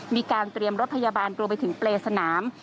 มีการเตรียมรถพยาบาลรวมไปถึงเปรย์สนาม